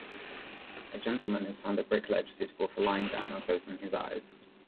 A gentleman has found a brick ledge suitable for lying down and closing his eyes.